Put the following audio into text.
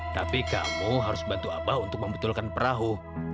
tapi kamu harus bantu apa untuk membetulkan perahu